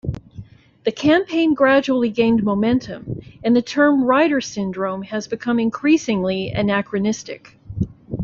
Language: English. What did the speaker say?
The campaign gradually gained momentum, and the term "Reiter's syndrome" has become increasingly anachronistic.